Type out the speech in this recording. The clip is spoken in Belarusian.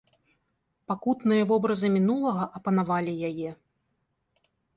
Пакутныя вобразы мінулага апанавалі яе.